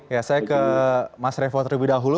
ya saya ke mas revo terlebih dahulu